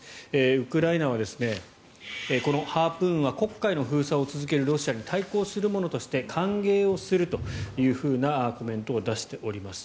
ウクライナはこのハープーンは黒海の封鎖を続けるロシアに対抗するものとして歓迎をするというふうなコメントを出しております。